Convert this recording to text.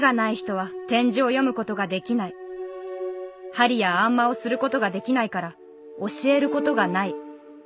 はりやあん摩をすることができないから教えることがない」と断られました。